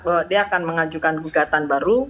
bahwa dia akan mengajukan gugatan baru